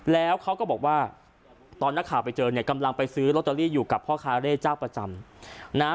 แล้วเขาก็บอกว่าตอนนักข่าวไปเจอเนี่ยกำลังไปซื้อลอตเตอรี่อยู่กับพ่อค้าเร่เจ้าประจำนะฮะ